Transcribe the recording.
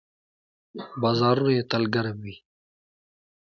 بازارونه یې تل ګرم وي.